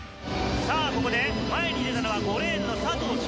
さあ、ここで前に出たのは５レーンの佐藤翔